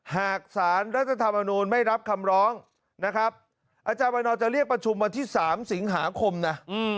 หากสารรัฐธรรมนูลไม่รับคำร้องนะครับอาจารย์วันนอร์จะเรียกประชุมวันที่๓สิงหาคมนะ